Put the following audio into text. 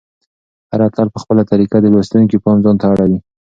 هر اتل په خپله طریقه د لوستونکي پام ځانته اړوي.